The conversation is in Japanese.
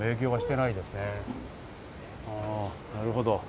なるほど。